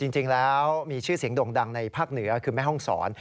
จริงแล้วมีชื่อเสียงด่งดังในภาคเหนือคือแม่ห้องศร